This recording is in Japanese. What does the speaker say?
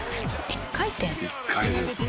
「１回転です」